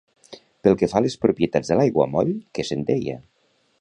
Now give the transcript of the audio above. Pel que fa a les propietats de l'aiguamoll, què se'n deia?